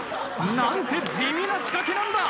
何て地味な仕掛けなんだ。